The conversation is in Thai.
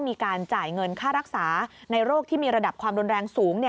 มีการจ่ายเงินค่ารักษาในโรคที่มีระดับความรุนแรงสูง